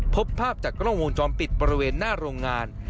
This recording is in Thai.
พบภาพจากกล้องวงจรปิดบริเวณหน้าโรงงาน